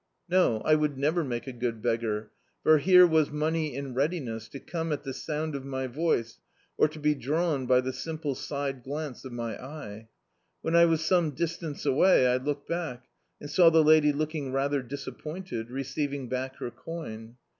No, I would never make a good beggar, for here was money in readiness, to come at the sound of my voice, or to be drawn by the simple side glance of my eye. When I was swne distance away, I looked back, and saw the lady looking rather disappointed, receiving back her coin.